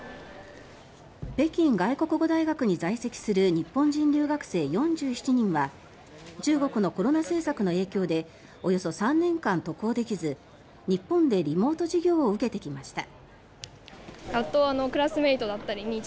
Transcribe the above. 北京外国語大学に在籍する日本人留学生４７人は中国のコロナ政策の影響でおよそ３年間渡航できず日本でリモート授業を受けてきました。